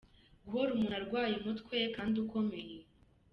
Guhora umuntu arwaye umutwe kandi ukomeye.